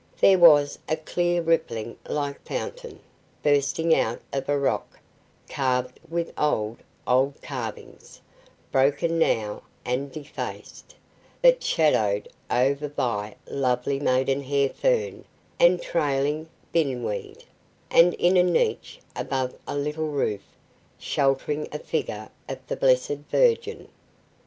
There was a clear rippling little fountain, bursting out of a rock, carved with old, old carvings, broken now and defaced, but shadowed over by lovely maidenhair fern and trailing bindweed; and in a niche above a little roof, sheltering a figure of the Blessed Virgin.